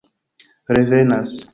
revenas